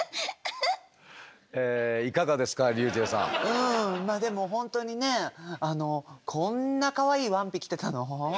うんまあでも本当にねこんなかわいいワンピ着てたの？